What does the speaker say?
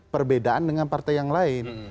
perbedaan dengan partai yang lain